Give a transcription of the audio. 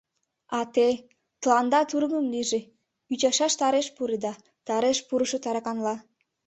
А те... тыланда тургым лийже, ӱчашаш тареш пуреда... тареш пурышо тараканла.